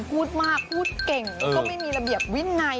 คุณพูดมากคุณพูดเก่งคุณไม่มีระเบียบวินัย